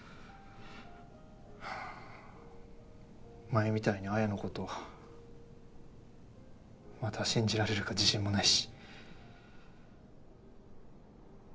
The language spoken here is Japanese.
前みたいに彩のことまた信じられるか自信もないし。